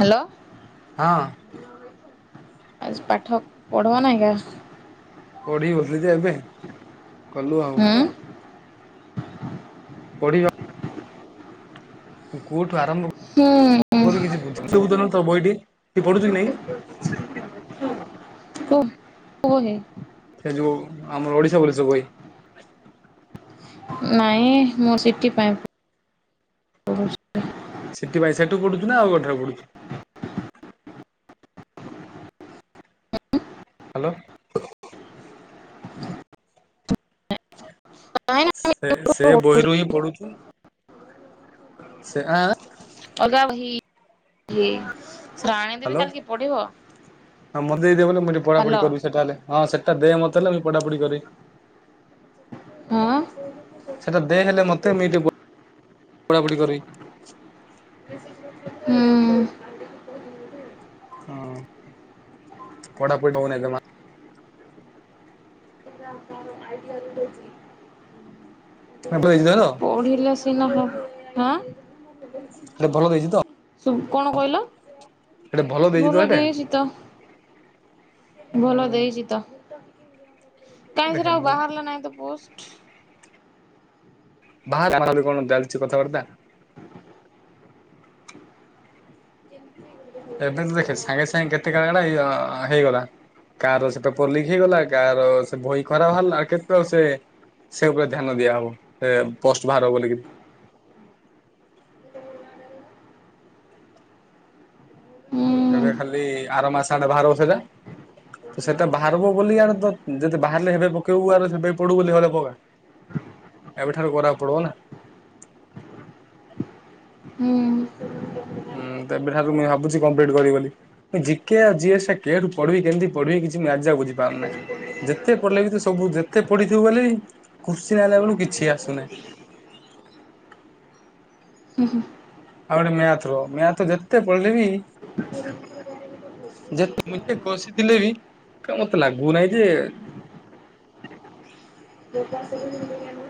Hello. ହଁ ଆଜି ପାଠ ପଢଉ ନାହିଁ କା ପଢି ହୋଉନି ଯେ ଏବେ କଲୁ ଆଉ। ହୁଁ ପଢିବା କୋଉଠୁ ଆରମ୍ଭ ହୁଁ। [unintelligible] କୂଅ ହେ। ସେ ଯୋଉ, ଆମର ଓଡ଼ିଶା ବୋଲି ସବୁ ବହି। ନାଇଁ ମୁଁ ସି ଟି ପାଇଁ ପଢ଼ୁଛି ସି ଟି ପାଇଁ ସେଠୁ ପଢ଼ୁଚୁ ନା ଆଉ କୋଉଠାରେ ପଢୁଚୁ? ହାଲୋ। ନାଇଁ ସେ ସେ ଅଲଗା ବହିରୁ ହିଁ ପଢୁଚୁ ସେ ଆଁ ଅଲ୍ଗା ବହି ଦିଏ। ହାଲୋ, ହଁ ମୋତେ ଦେଇଦିଅ ବଲେ ମୁଁ ଟିକେ ପଢ଼ାପଢ଼ି ହ୍ୟାଲୋ କରିବି ସେଟା ହେଲେ। ହଁ ସେଟା ଦେ ମତେଲେ ମୁଁ ପଢା ପଢି କରି। ହଁ? ସେଇଟା ଦେ ହେଲେ ମୋତେ ମୁଁ [unintelligible] ପଢ଼ା ପଢ଼ି କରି [unintelligible] ହଁ, ପଢା ପଡ଼ି ହଉ ନାଇଁ ଜମା। ଭଲ ଦେଇଛି ତ ପଢ଼ିଲେ ଦିନକ ହାଁ? [unintelligible] ଭଲ ଦେଇଚି ତ? କଣ କହିଲ? ହେଲେ ଦେଇଛି ତ ଭଲ ହେଟେ? ଦେଇଚି ତ। ଭଲ ହୁଁ ଦେଇଚି ତ। କାଇଁ ଦେଖେ ସେଟା ଆଉ ମୁଁ ବାହାରଲା ନାହିଁ ତ ପୋଷ୍? [inaudible] [inaudible] ଏବେ ତ ଦେଖେ, ସାଙ୍ଗେ ସାଙ୍ଗେ କେତେ କାରଣ ଇଏ ହେଇଗଲା। କାଆର ସେତ ପଲିକ୍ ହେଇଗଲା, କାଆର ସେ ଭହି ଖରାପ ବାହାରଲା କେତେ ଆଉ ସେ ସେ ଉପରେ ଧ୍ୟାନ ଦିଆହବ ସେ ପଷ୍ଟ ବାହାର ବୋଲିକି। ହୁଁ ଏବେ ଖାଲି ଆର ମାସଆଡେ ବହାରବ ସେଇଦା। ସେଟା ବାହାରବ ବୋଲି ଆ ଯଦି ବାହାରିଲେ ହେବେ ପକେଇବୁ, ଆ ହେବେ ପଡ଼ୁ ବୋଲିଲେ ପକା। ହଁ [inaudible] ଏବେଠାରୁ ଗରାକୁ ପଡ଼ିବ ନା। ହୁଁ। ହୁଁ ତ ଏବେ ଠାରୁ ମୁଇଁ ଭାବୁଚି କମ୍ପ୍ଲିଟ୍ କରିବି ବୋଲି। ଜିକେ ଆଉ ଯିଏସ୍ କେ ରୁ ପଢ଼ିବି କେମିତି ପଢ଼ିବି କିଛି ମ୍ୟାଜା ବୁଝି ପାରୁନାଇଁ। ଯେତେ ପଢ଼ିଲେ ବି ତ ସବୁ ଯେତେ ପଢ଼ିଥିବ ବୋଲେଇ କୁସିନ୍ ଆଇଲା ବେଳୁ କିଛି ଆସୁନାଇଁ। ହୁଁ ହୁଁ। ଆଉ ଗୋଟେ ମ୍ୟାଥ ର, ମ୍ୟାଥ ଯେତେ ପଢିଲେ ବି ଯେ ମୁଇଁ ଯେତେ କସିଥିଲେ ବି ମତେ ଲାଗୁନାହିଁ ଯେ [unintelligible]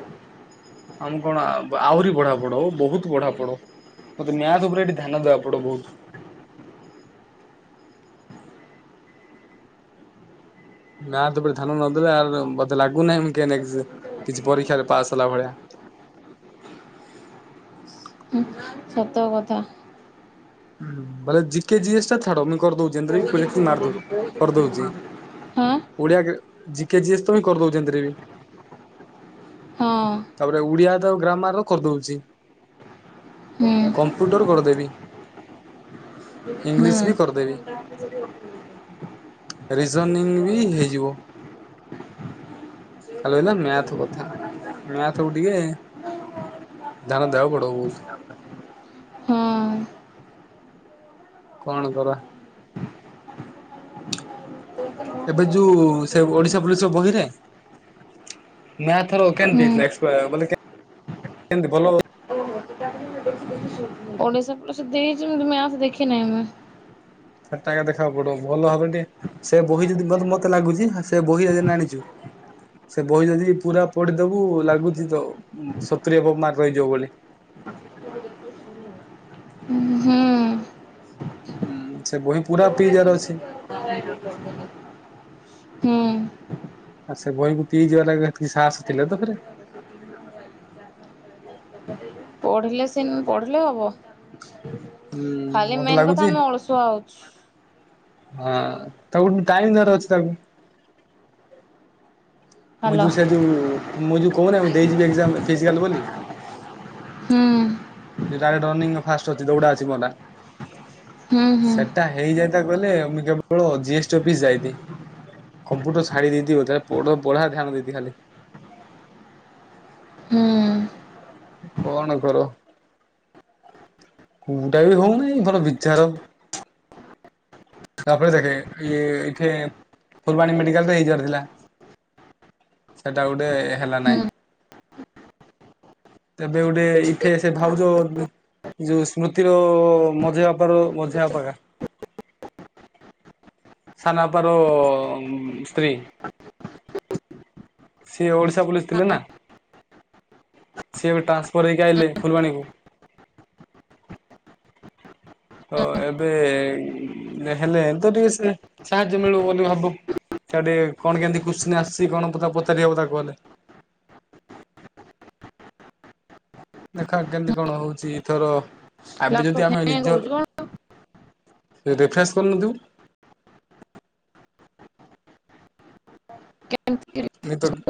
ଆମ୍ କଣ ଆହୁରି ବଢ଼ା ପଢ଼ଉ ବହୁତ ବଢ଼ା ପଢ଼ଉ। ମତେ ନ୍ୟାୟତ ଉପରେ ଏଠି ଧ୍ୟାନ ଦବାକୁ ପଡେ ବହୁତ୍। ନାଁ ତେବେ ଧ୍ୟାନ ନଦେଲେ ଆଉ ମତେ ଲାଗୁନାହିଁ ମୁଁ କି ନାଇଁ କିଛି ପରୀକ୍ଷାରେ ପାସ୍ ହେଲା ଭଳିଆ। ହୁଁ। ସତ କଥା। [unintelligible] କେ ଯିଏସ୍ ଟା ଛାଡ଼ ମୁଁ କର୍ ଦଉଚି ଏମିତିରେବି [unintelligible] ମାର୍ଦ କର୍ ଦଉଚି। ହଁ ଓଡ଼ିଆ ଜିକେ ଜିଏସ୍ ତ ହିଁ କର୍ ଦଉଚି ଏନ୍ତିରେ ବି। ହଁ। ତାପରେ ଓଡ଼ିଆ ତ ଗ୍ରାମାର କର୍ ଦଉଚି। ହୁଁ କମ୍ପ୍ୟୁଟର୍ କର୍ ଦେବି। ହୁଁ ଇଂଲିଶ ବି କର୍ ଦେବି ରିଜନିଂ ବି ହେଇଯିବ। ଖାଲି ରହିଲା ମ୍ୟାଥ କଥା ମ୍ୟାଥକୁୁ ଟିକେ ଧ୍ୟାନ ଦେବାକୁ ପଡିବ ବୋହୁତୁ। ହୁଁ। କଣ କର? ଏବେ ଯୋଉ ସେ ଓଡିଶା ପୋଲିସ ର ବହିରେ ମ୍ୟାଥର ଓକେନ ହୁଁ ଦେଇଥିଲା କହିଆକୁ ଗଲେ କେ କେମିତି ଭଲୋ [inaudible] ଓଡ଼ିଶା ପ୍ରସି ଦେଇଚି ମୁଁ ବି ମ୍ୟାପ ଦେଖିନାଇ ମୁଁ। ସାତଟା ଆଙ୍କେ ଦେଖିବାକୁ ପଡିବ ଭଲ ଭାବରେ ଟିକେ ସେ ବୋହି ଯଦି [unintelligible] ମତେ ଲାଗୁଚି ହା ସେ ବୋହି [unintelligible] ସେ ବହି ଯଦି ପୁରା ପଡିଦବୁ ଲାଗୁଚି ତ ସତୁରି ଏଭବ ମାର୍କ ରହିଯିବ ବୋଲି। ହୁଁ। ହୁଁ ସେ ବହି ପୁରା ପି ଯାର ଅଛି। ହୁଁ। ଆଉ ସେ ବହିକୁ ପିଯିବା ରା ହେତିକି ସାହସ ଥିଲେ ତ ଫେରେ। ପଢିଲେ ସେ ନ ପଢିଲେ ହବ ହୁଁ ଖାଲି ମତେ ମେନ୍ ଲାଗୁଛି କଥା ଆମେ ଅଳସୁ ସୁ ଆଉଚୁ ହଁ ତାକୁ ଗୋ ଟାଇମ୍ ଦବାର ଅଛି ତାକୁ ମୁଁ ହ୍ୟାଲୋ ଯୋଉ ସେ ଯୋଉ ମୁଁ ଯୋଉ କହୁନି ଆମେ ଦେଇଯିବି ଏକ୍ଜାମ ଫିଜିକାଲ ବୋଲି। ହୁଁ। ରା ରନିଙ୍ଗ ଫାଷ୍ଟ ଅଛି ଦୌଡା ଅଛି ମଲା। ହୁଁ ହୁଁ ସେଟା ହେଇଯାଇତା କହିଲେ ମୁଁ ଜଉ କେବଳ ଜି ଏସ୍ ଟି ଅଫିସ ଯାଇତି। କମ୍ପୁଟର ଛାଡ଼ି ଦେଇଥିବ ତା ପୋଡ଼ ପଢ଼ା ଧ୍ୟାନ ଦେଇତି ଖାଲି। ହୁଁ। କଣ କର? କୋଉଟା ବି ହଉନାଇ ଧର ବିଚାର ତାପରେ ଦେଖେ ଇଏ ଏଠେ ଫୁଲବାଣୀ ମେଡିକାଲ ରେ ହେଇଯିବାର ଥିଲା। ସେଟା ଗୋଟେ ହେଲା ହୁଁ ନାଇଁ। ତେବେ ଗୋଟେ ଏଇଠେ ସେ ଭାଉଜ। ଯୋଉ ସ୍ମୃତିର ମଝି ବାପାର ମଝିଆ ଅପା ହେକା ସାନ ଆପାର ସ୍ତ୍ରୀ ସିଏ ଓଡିଶ ତ ପୋଲିସ ଥିଲେ ନା ସିଏ ଏବେ ଟାନ୍ସପର ହେଇକି ଆଇଲେ ଫୁଲବାଣୀକୁ। ହ ଏବେ ହେଲେ ତ ଏବେ ସେ ସାହାଯ୍ୟ ମିଳିବ ବୋଲି ଭାବୁ ଆଡେ କଣ କେନ୍ତି କୁଶ୍ଚିନି ଆସିଛି ନ କଣ କେମିତି ପଚାରିହେବ ତାକୁ ଗଲେ। ଦେଖ କେମିତି କଣ ହଉଚି ତୋର ଆମେ ଲାପଟପ୍ ଯଦି ଆମେ ହ୍ୟାଙ୍ଗ ହଉଛି ନିଜର କଣ? ତୁ ରିଫ୍ରେସ୍ କରିନଥିବୁ? କେତିକି ରେ ନେଇପାରୁନ?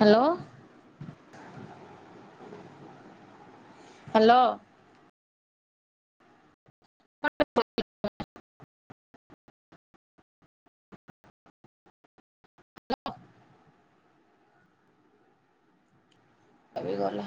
ହାଲୋ। ହାଲୋ। ସବୁ ଭଲ।